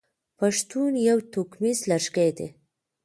پښتون يو توکميز لږکي دی.